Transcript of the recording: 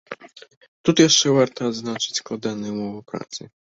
Тут яшчэ варта адзначыць складаныя ўмовы працы.